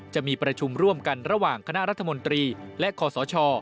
จะมีประชุมร่วมกันระหว่างคณะรัฐมนตรีและคอสช